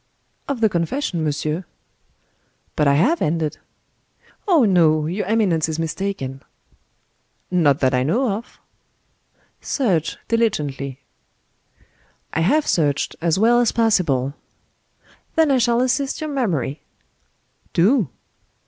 "Of the confession, monsieur." "But I have ended." "Oh, no; your eminence is mistaken." "Not that I know of." "Search diligently." "I have searched as well as possible." "Then I shall assist your memory." "Do."